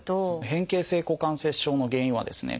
変形性股関節症の原因はですね